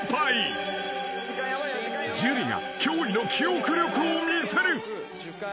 ［樹が驚異の記憶力を見せる］